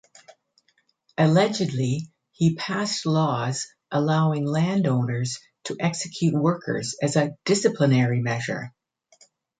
Allegedly, he passed laws allowing landowners to execute workers as a "disciplinary" measure.